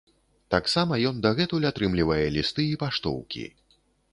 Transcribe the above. Таксама ён дагэтуль атрымлівае лісты і паштоўкі.